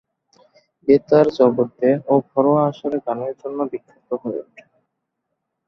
বেতার জগতে ও ঘরোয়া আসরে গানের জন্য বিখ্যাত হয়ে ওঠেন।